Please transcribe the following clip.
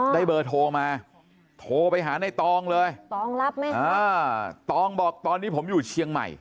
ได้เบอร์โทมาโทไปหาในตองเลยตองบอกตอนนี้ผมอยู่เชียงใหม่